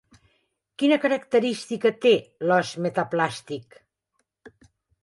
Quina característica té l'os metaplàstic?